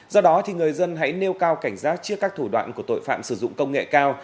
do đó người dân hãy nêu cao cảnh giác trước các thủ đoạn của tội phạm sử dụng công nghệ cao